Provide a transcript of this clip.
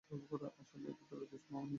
আসলে এটি ত্রয়োদশ শতকের বামিয়ান শহর।